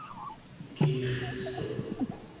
kiircetuq